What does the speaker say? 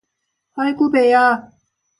“아이구 배야!”